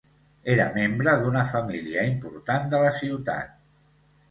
Era membre d'una família important de la ciutat.